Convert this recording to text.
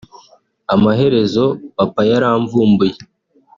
Amaherezo papa yaramvumbuye